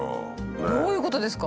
どういうことですか？